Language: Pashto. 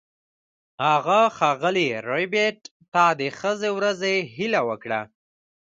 هغه ښاغلي ربیټ ته د ښې ورځې هیله وکړه